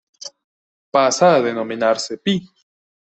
Pasa a denominarse Pl.